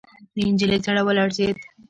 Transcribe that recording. د نجلۍ زړه ولړزېد.